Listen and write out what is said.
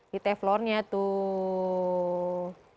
di teflonnya tuh